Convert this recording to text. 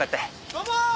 どうも！